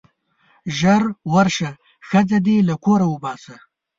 ژر ورشه ښځه دې له کوره وباسه.